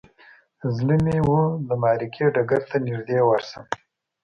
زړه مې و د معرکې ډګر ته نږدې ورشم.